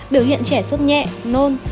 biểu hiện trẻ sốt nhẹ nôn